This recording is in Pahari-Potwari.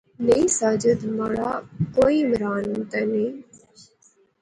نئیں ساجد مہاڑا کوئی عمران تے نئیں